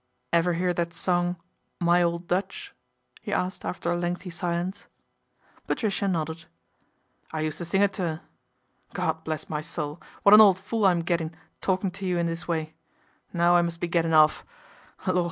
" Ever hear that song ' My Old Dutch '?" he asked after a lengthy silence. Patricia nodded. "I used to sing it to 'er God bless my soul ! what an old fool I'm gettin', talkin' to you in this way. Now I must be gettin' off.